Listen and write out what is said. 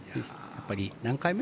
何回目？